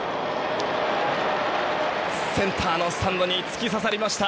センターのスタンドに突き刺さりました。